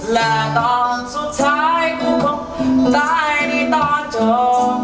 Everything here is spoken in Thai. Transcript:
และตอนสุดท้ายกูคงได้ในตอนจบ